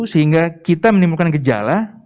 sehingga kita menimbulkan gejala